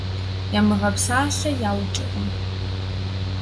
Ямыгъэпсалъэ яукӀыркъым.